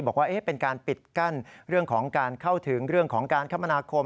บอกว่าเป็นการปิดกั้นเรื่องของการเข้าถึงเรื่องของการคมนาคม